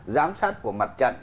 giám sát của mặt trận